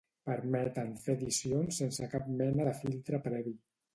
Permeten fer edicions sense cap mena de filtre previ.